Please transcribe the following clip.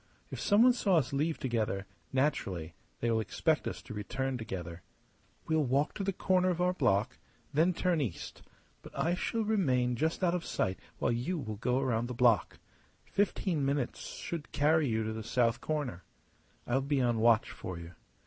If someone saw us leave together, naturally they will expect us to return together. We'll walk to the corner of our block, then turn east; but I shall remain just out of sight while you will go round the block. Fifteen minutes should carry you to the south corner. I'll be on watch for you.